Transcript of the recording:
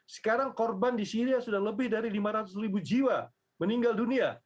sekarang korban di syria sudah lebih dari lima ratus ribu jiwa meninggal dunia